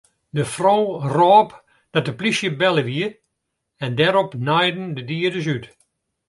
De frou rôp dat de plysje belle wie en dêrop naaiden de dieders út.